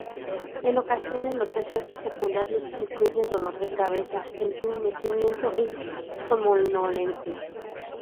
En ocasiones, los efectos secundarios incluyen dolor de cabeza, entumecimiento y somnolencia.